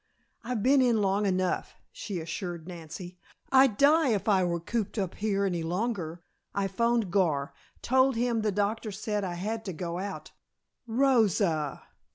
"I've been in long enough," she assured Nancy, "I'd die if I were cooped up here any longer. I phoned Gar, told him the doctor said I had to go out " "Rosa!"